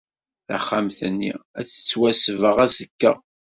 Taxxamt-nni ad tettwasbeɣ azekka.